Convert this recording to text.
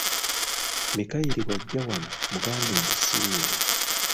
Mikayiri bwajja wano mugambe nti siriiwo.